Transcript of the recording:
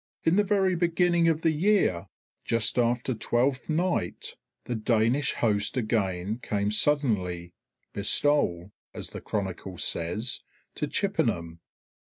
In the very beginning of the year, just after Twelfth night, the Danish host again came suddenly "bestole" as the Chronicle says to Chippenham.